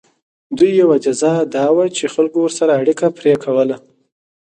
د دوی یوه جزا دا وه چې خلکو ورسره اړیکه پرې کوله.